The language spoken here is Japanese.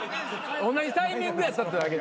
同じタイミングやったってだけで。